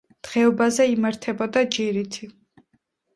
დღეობაზე იმართებოდა ჯირითი.